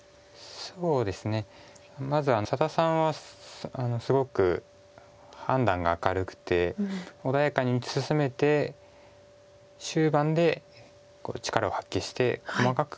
そうですねまず佐田さんはすごく判断が明るくて穏やかに打ち進めて終盤で力を発揮して細かく勝つという印象があります。